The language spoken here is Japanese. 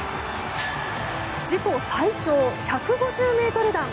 自己最長１５０ｍ弾。